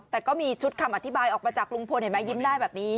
แต่ก็มีชุดคำอธิบายออกมาจากลุงพลเห็นไหมยิ้มได้แบบนี้